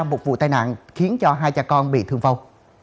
một vụ tai nạn khiến hai cha con bị thương vâu